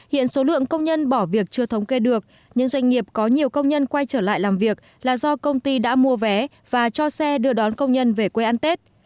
hiện số lượng công nhân bỏ việc chưa thống kê được nhưng doanh nghiệp có nhiều công nhân quay trở lại làm việc là do công ty đã mua vé và cho xe đưa đón công nhân về quê ăn tết